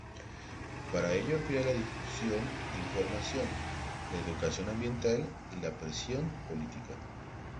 Para ello emplea la difusión de información, la educación ambiental y la presión política.